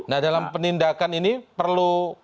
nah dalam penindakan ini perlu